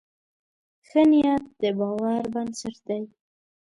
ښه نیت د باور بنسټ دی.